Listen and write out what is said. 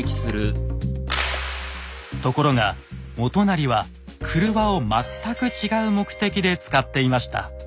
ところが元就は郭を全く違う目的で使っていました。